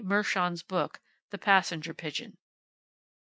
Mershon's book, "The Passenger Pigeon.")